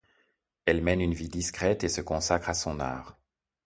Elle mène une vie discrète et se consacre à son art.